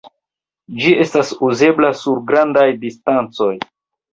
Ĝi estas uzebla sur grandaj distancoj.